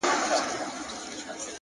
زما په لاس كي هتكړۍ داخو دلې ويـنـمـه.!